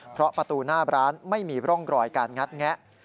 เพราะประตูหน้าร้านไม่มีร่องรอยการงัดแงะ